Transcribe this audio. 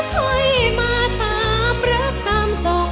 แล้วค่อยมาตามหรือตามส่ง